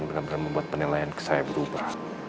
benar benar membuat penilaian ke saya berubah